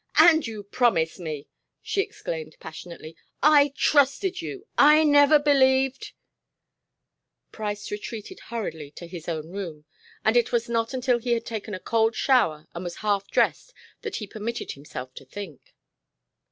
"And you promised me!" she exclaimed passionately. "I trusted you, I never believed " Price retreated hurriedly to his own room, and it was not until he had taken a cold shower and was half dressed that he permitted himself to think.